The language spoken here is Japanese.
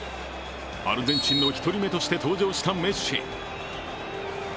アルゼンチンの１人目として登場したメッシ。